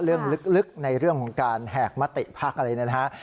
เรื่องลึกในเรื่องของการแหกมะเตะพักอะไรนะฮะ